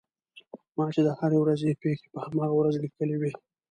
ما چې د هرې ورځې پېښې په هماغه ورځ لیکلې وې.